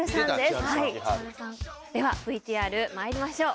それではＶＴＲまいりましょう。